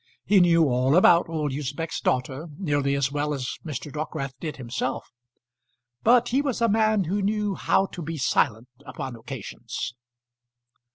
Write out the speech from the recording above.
He knew all about old Usbech's daughter nearly as well as Mr. Dockwrath did himself, but he was a man who knew how to be silent upon occasions.